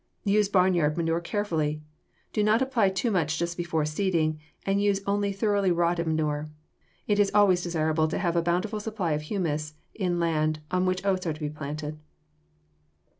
Use barnyard manure carefully. Do not apply too much just before seeding, and use only thoroughly rotted manure. It is always desirable to have a bountiful supply of humus in land on which oats are to be planted.